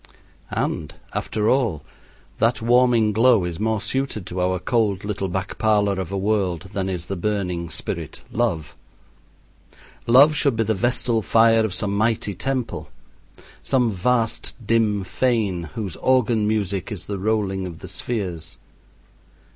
And, after all, that warming glow is more suited to our cold little back parlor of a world than is the burning spirit love. Love should be the vestal fire of some mighty temple some vast dim fane whose organ music is the rolling of the spheres.